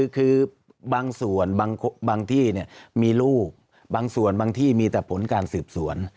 คือบางส่วนบางที่มีลูกบางส่วนบางที่มีแต่ผลการสืบสวน